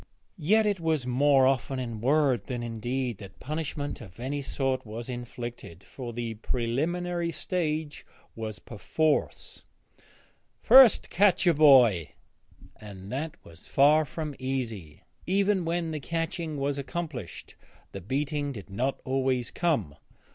Yet it was more often in word than in deed that punishment of any sort was inflicted, for the preliminary stage was perforce, 'first catch your boy,' and that was far from easy. Even when the catching was accomplished the beating did not always come.